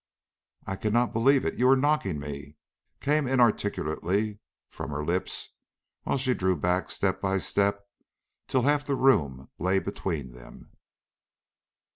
"I I cannot believe it. You are mocking me," came inarticulately from her lips, while she drew back, step by step, till half the room lay between them.